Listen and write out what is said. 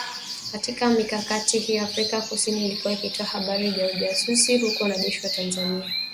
Katika mikakati hiyo Afrika kusini ilikuwa ikitoa habari za ujasusi huku wanajeshi wa Tanzania